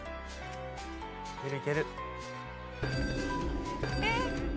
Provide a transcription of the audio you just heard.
いけるいける。